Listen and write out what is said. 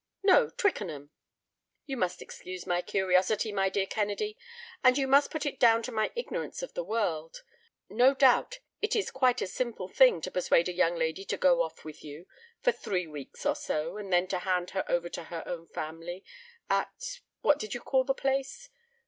"No, Twickenham." "You must excuse my curiosity, my dear Kennedy, and you must put it down to my ignorance of the world. No doubt it is quite a simple thing to persuade a young lady to go off with you for three weeks or so, and then to hand her over to her own family at—what did you call the place?"